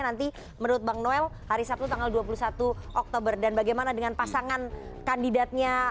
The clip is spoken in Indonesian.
nanti menurut bang noel hari sabtu tanggal dua puluh satu oktober dan bagaimana dengan pasangan kandidatnya